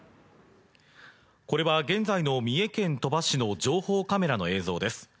これは現在の三重県鳥羽市の情報カメラの映像です。